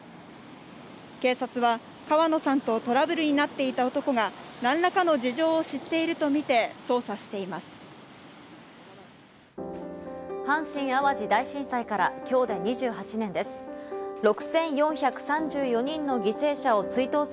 警察は川野さんとトラブルになっていた男が何らかの事情を知っているとみて捜査しています。